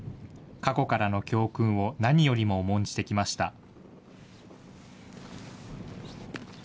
過去からの教訓を何よりも重んじてきました。